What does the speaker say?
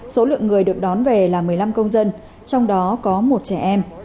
số lượng người được đón về là một mươi năm công dân trong đó có một trẻ em